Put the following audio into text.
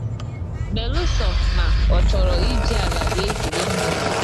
belụsọ ma ọ chọrọ iji àlà wee zèré mmiri.